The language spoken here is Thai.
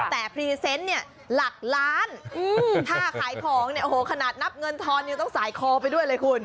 แต่พรีเซนต์เนี่ยหลักล้านถ้าขายของเนี่ยโอ้โหขนาดนับเงินทอนยังต้องสายคอไปด้วยเลยคุณ